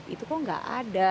itu kok gak ada